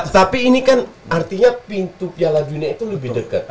tapi ini kan artinya pintu piala dunia itu lebih dekat